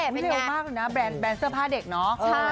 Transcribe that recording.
ไม่เร็วมากนะแรนด์เสื้อผ้าเด็กเนาะ